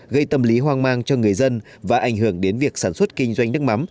gây tâm lý hoang mang cho người dân và ảnh hưởng đến việc sản xuất kinh doanh nước mắm